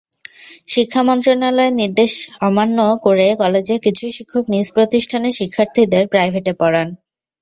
শিক্ষা মন্ত্রণালয়ের নির্দেশ অমান্য করে কলেজের কিছু শিক্ষক নিজ প্রতিষ্ঠানের শিক্ষার্থীদের প্রাইভেটে পড়ান।